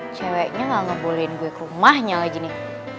ceweknya gak ngebolehin gue ke rumahnya lagi nih